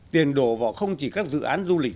tiền đổ vào không chỉ các dự án du lịch